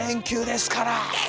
ですから！